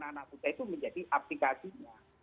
anak anak muda itu menjadi aplikasinya